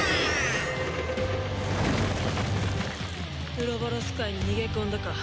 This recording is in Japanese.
ウロボロス界に逃げ込んだか。